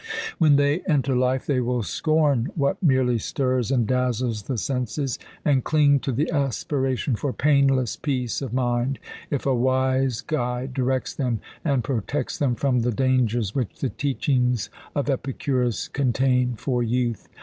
When they enter life, they will scorn what merely stirs and dazzles the senses, and cling to the aspiration for painless peace of mind, if a wise guide directs them and protects them from the dangers which the teachings of Epicurus contain for youth.